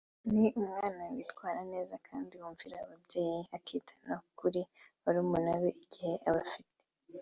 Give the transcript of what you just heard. ni umwana witwara neza kandi wumvira ababyeyi akita no kuri barumuna be igihe abafite